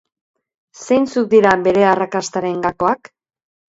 Zeintzuk dira bere arrakastaren gakoak?